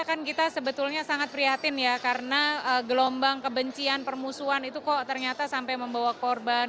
kan kita sebetulnya sangat prihatin ya karena gelombang kebencian permusuhan itu kok ternyata sampai membawa korban